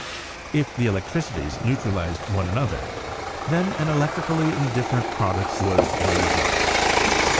If the electricities neutralized one another, then an elec trically indifferent product was the result.